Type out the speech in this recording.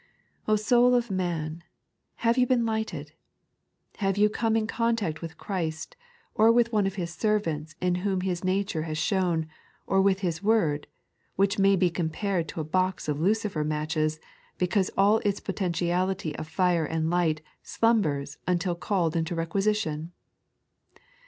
O soul of man, have you been lighted ) Have you come in contact with Christ, or with one of His servants in whom His nature has shone, or with His Word, which may be compared to a box of lucifer matches, because all its potentiality of fire and light Blumbera until called into requisition